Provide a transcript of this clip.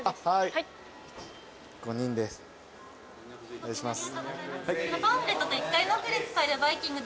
お願いします。